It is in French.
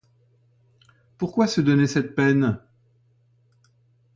Pourquoi se donner cette peine ?